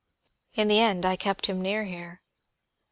In the end, I kept him near here."